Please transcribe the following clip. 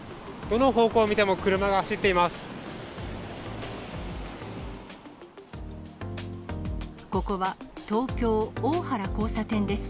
どの方向を見ても、車が走っています。